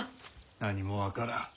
何も分からん。